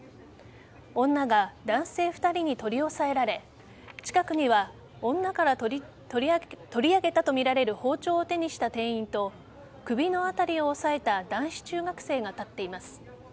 女が男性２人に取り押さえられ近くには女から取り上げたとみられる包丁を手にした店員と首のあたりを押さえた男子中学生が立っています。